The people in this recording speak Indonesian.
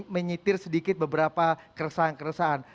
menyetir sedikit beberapa keresahan keresahan